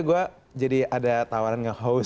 gue jadi ada tawaran nge host